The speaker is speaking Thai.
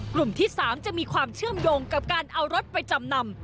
กลุ่มที่๓จะมีความเชื่อมโยงกับการเอารถไปจำนำ